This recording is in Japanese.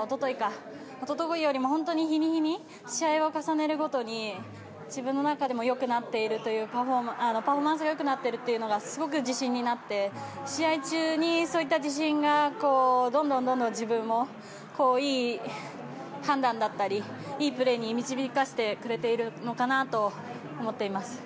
本当に日に日に試合を重ねるごとに自分の中でもパフォーマンスが良くなっているというのがすごく自信になって試合中にそういった自信がどんどん自分をいい判断だったり、いいプレーに導かせてくれているのかなと思っています。